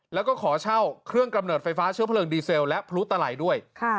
แล้วก็ขอเช่าเครื่องกำเนิดไฟฟ้าเชื้อเพลิงดีเซลและพลุตลัยด้วย